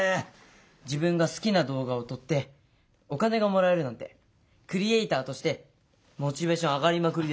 自分が好きな動画を撮ってお金がもらえるなんてクリエーターとしてモチベーション上がりまくりですよ！